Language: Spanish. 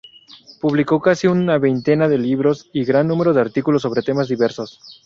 Publicó casi una veintena de libros y gran número de artículos sobre temas diversos.